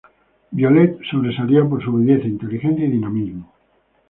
Violette sobresalía por su belleza, inteligencia y dinamismo.